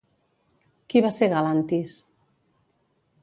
Qui va ser Galantis?